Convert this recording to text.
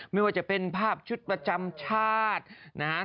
ไม่ว่าจะเป็นภาพชุดประจำชาตินะฮะ